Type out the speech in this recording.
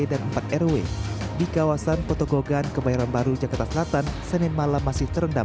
dan empat rw di kawasan potogogan kebayaran baru jakarta selatan senin malam masih terendam